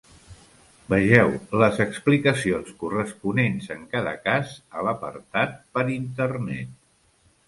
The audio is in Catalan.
Vegeu les explicacions corresponents en cada cas, a l'apartat 'Per internet'.